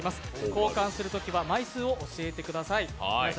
交換するときは枚数を教えてください。